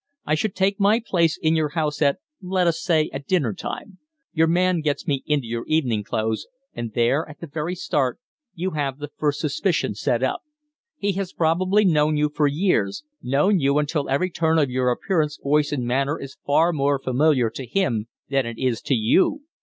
I should take my place in your house at let us say at dinnertime. Your man gets me into your evening clothes, and there, at the very start, you have the first suspicion set up. He has probably known you for years known you until every turn of your appearance, voice, and manner is far more familiar to him than it is to you.